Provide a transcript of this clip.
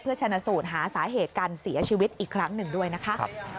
ชนะสูตรหาสาเหตุการเสียชีวิตอีกครั้งหนึ่งด้วยนะคะ